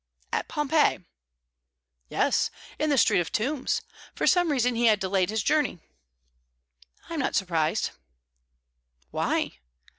"At Pompeii?" "Yes; in the Street of Tombs. For some reason, he had delayed on his journey." "I'm not surprised." "Why?"